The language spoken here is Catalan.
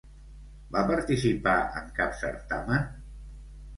Va participar en cap certamen?